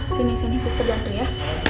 sini sini suster ganti ya